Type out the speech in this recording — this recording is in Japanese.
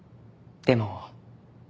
でも。